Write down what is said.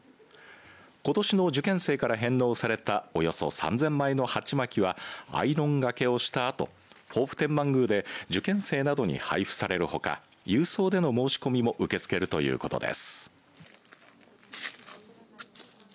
ことしの受験生から返納されたおよそ３０００枚の鉢巻きはアイロンがけをしたあと防府天満宮で受験生などに配布されるほか郵送での申し込みも受け付けるということです。